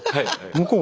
向こう